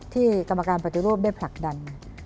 กรรมการปฏิรูปได้ผลักดัน